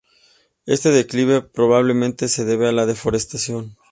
Este declive probablemente se debe a la deforestación.